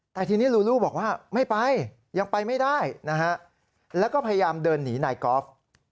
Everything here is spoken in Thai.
แต่ทีนี้ลูลูบอกว่าไม่ไปยังไปไม่ได้นะฮะแล้วก็พยายามเดินหนีนายกอล์ฟ